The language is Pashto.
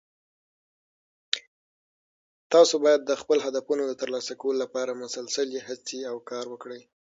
تاسو باید د خپلو هدفونو د ترلاسه کولو لپاره مسلسلي هڅې او کار وکړئ